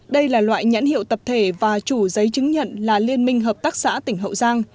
đây là loại nhãn hiệu tập thể và chủ giấy chứng nhận là liên minh hợp tác xã tỉnh hậu giang